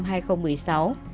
biên hòa đồng nai